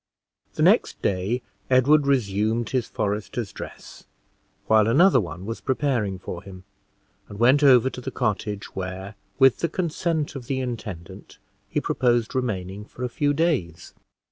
The next day, Edward resumed his forester's dress, while another one was preparing for him, and went over to the cottage, where, with the consent of the intendant, he proposed remaining for a few days.